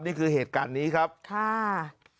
นี่คือเหตุการณ์นี้ครับค่ะ